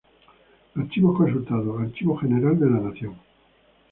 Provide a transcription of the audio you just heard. Archivos consultados: Archivo General de la Nación.